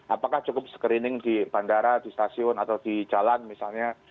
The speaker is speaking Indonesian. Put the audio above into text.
apakah cukup screening di bandara di stasiun atau di jalan misalnya